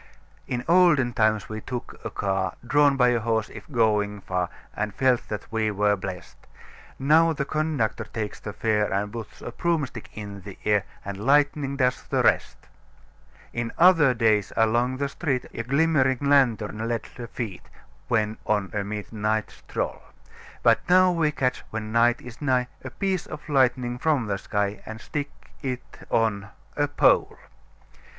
"In olden times we took a car Drawn by a horse, if going far, And felt that we were blest; Now the conductor takes the fare And puts a broomstick in the air And lightning does the rest. "In other days, along the street, A glimmering lantern led the feet, When on a midnight stroll; But now we catch, when night is nigh, A piece of lightning from the sky And stick it on a pole.